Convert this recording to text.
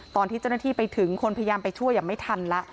ตอนที่เจ้าหน้าที่ไปถึงคนพยายามไปช่วยไม่ทันแล้ว